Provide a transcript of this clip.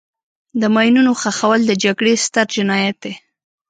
د ماینونو ښخول د جګړې ستر جنایت دی.